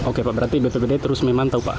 oke pak berarti bppd terus memantau pak